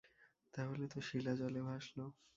তা হলে তো শিলা জলে ভাসল!